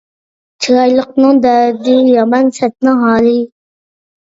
چىرايلىقنىڭ دەردى يامان، سەتنىڭ ھالى